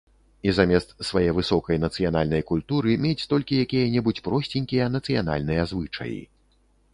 І замест свае высокай нацыянальнай культуры мець толькі якія-небудзь просценькія нацыянальныя звычаі.